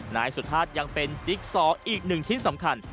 นายสุธาตุยังเป็นจิ๊กซออีกหนึ่งชิ้นสำคัญ